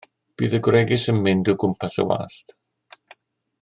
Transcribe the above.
Bydd y gwregys yn mynd o gwmpas y wast.